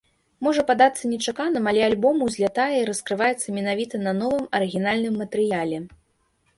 Можа падацца нечаканым, але альбом узлятае і раскрываецца менавіта на новым арыгінальным матэрыяле.